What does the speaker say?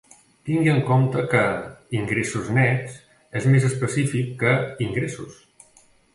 Tingui en compte que "ingressos nets" és més específic que "ingressos".